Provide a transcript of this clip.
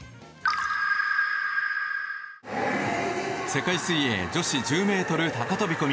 世界水泳女子１０ｍ高飛込。